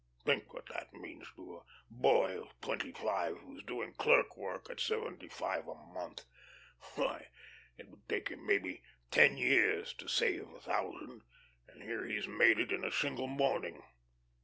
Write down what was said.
Think what that means to a boy of twenty five who's doing clerk work at seventy five a month. Why, it would take him maybe ten years to save a thousand, and here he's made it in a single morning.